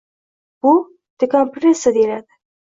Bu “dekompressiya” deyiladi.